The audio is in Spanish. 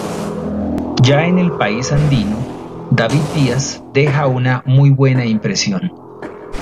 Ya en el país andino, David Díaz deja una muy buena impresión.